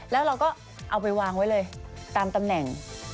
แล้วเราก็เอาไปวางไว้เลยตามตำแหน่ง